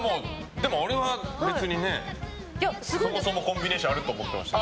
でも、俺は別にねそもそもコンビネーションあると思ってました。